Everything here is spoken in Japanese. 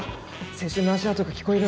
青春の足音がきこえる。